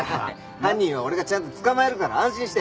犯人は俺がちゃんと捕まえるから安心して。